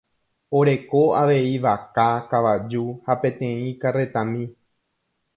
Oreko avei vaka, kavaju ha peteĩ karretami.